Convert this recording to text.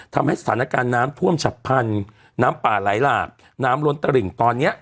ทำให้สถานการณ์น้ำท่วมฉับพันธุ์น้ำป่าไหลหลากน้ำล้นตลิ่งตอนนี้